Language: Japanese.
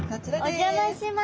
お邪魔します。